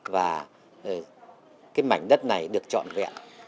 và cái mảnh đất này được trọn vẹn